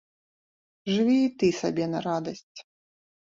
Жыві і ты сабе на радасць!